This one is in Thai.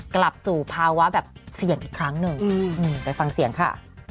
กลับสู่ภาวะแบบเสี่ยงอีกครั้งหนึ่งไปฟังเสียงค่ะ